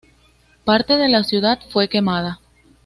Parte de la ciudad fue quemada.